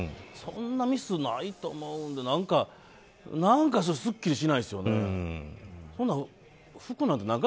そんなミスないと思うのですっきりしないですよね。